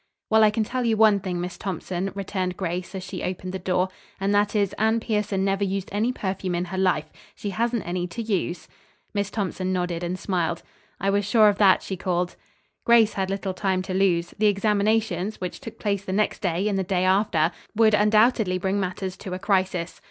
"Well, I can tell you one thing, Miss Thompson," returned Grace as she opened the door, "and that is Anne Pierson never used any perfume in her life. She hasn't any to use." Miss Thompson nodded and smiled. "I was sure of that," she called. Grace had little time to lose. The examinations, which took place the next day and the day after, would undoubtedly bring matters to a crisis.